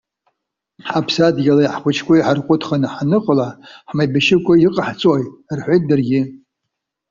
Ҳаԥсадгьыли ҳхәыҷқәеи ҳарҟәыҭханы ҳаныҟала, ҳмеибашьыкәа иҟаҳҵои!- рҳәеит даргьы.